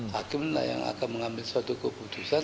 hakim yang akan mengambil suatu keputusan